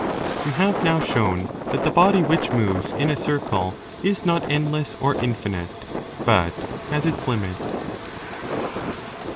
) 5 We have now shown that the body which moves in a circle is not endless or infinite, but has its limit.